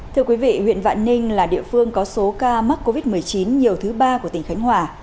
thưa quý vị huyện vạn ninh là địa phương có số ca mắc covid một mươi chín nhiều thứ ba của tỉnh khánh hòa